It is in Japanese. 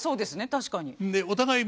確かに。